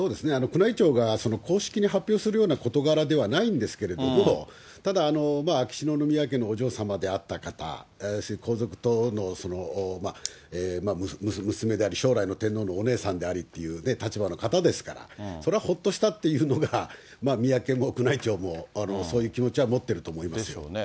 宮内庁が公式に発表するような事柄ではないんですけれども、ただ、秋篠宮家のお嬢様であった方、皇族との娘であり、将来の天皇のお姉さんでありっていう立場の方ですから、それはほっとしたっていうのが、宮家も宮内庁もそういう気持ちは持ってると思いますよ。ですよね。